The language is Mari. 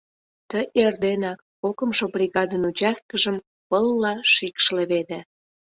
Ты эрденак кокымшо бригадын участкыжым пылла шикш леведе.